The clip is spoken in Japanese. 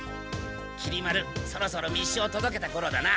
きり丸そろそろ密書をとどけたころだな。